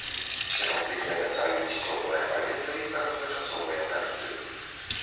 Сіноптыкі абяцаюць цёплае паветра і кароткачасовыя дажджы.